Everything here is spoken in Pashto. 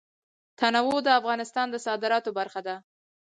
تنوع د افغانستان د صادراتو برخه ده.